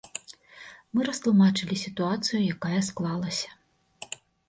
Мы растлумачылі сітуацыю, якая склалася.